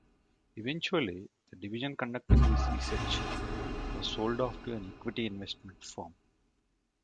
Eventually, the division conducting this research was sold off to an equity investment firm.